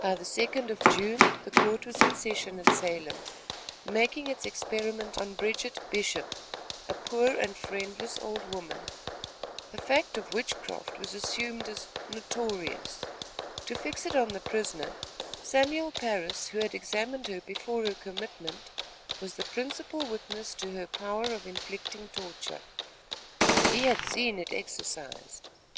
By the second of June, the court was in session at Salem, making its experiment on Bridget Bishop, a poor and friendless old woman. The fact of witchcraft was assumed as "notorious." To fix it on the prisoner, Samuel Parris, who had examined her before her commitment, was the principal witness to her power of inflicting torture. He had seen it exercised.